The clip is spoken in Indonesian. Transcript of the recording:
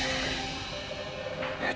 aku mau ke sana